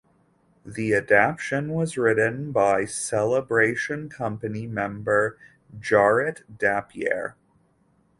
The adaptation was written by Celebration Company member Jarrett Dapier.